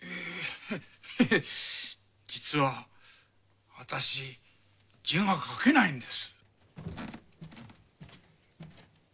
ヘヘヘッ実は私字が書けないんです。